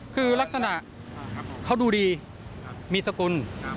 คือลักษณะเขาดูดีมีสกุล